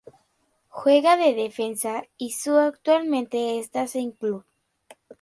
Juega de defensa y su actualmente está sin club.